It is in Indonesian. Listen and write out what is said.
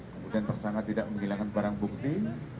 kemudian tersangka tidak menghilangkan barang bukti